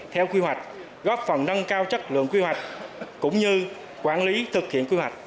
theo quy hoạch góp phần nâng cao chất lượng quy hoạch cũng như quản lý thực hiện quy hoạch